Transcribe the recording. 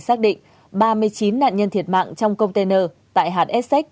xác định ba mươi chín nạn nhân thiệt mạng trong container tại hạt essex